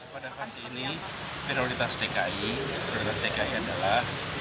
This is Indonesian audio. pada fase ini prioritas dki adalah